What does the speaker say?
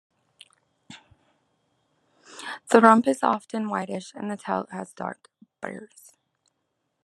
The rump is often whitish and the tail has dark bars.